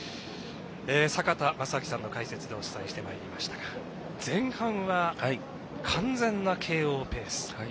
坂田正彰さんの解説でお伝えしてまいりましたが前半は、完全な慶応ペース。